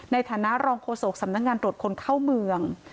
ในฐานะรองโฆษกสำนักงานตรวจคนเข้าเมือง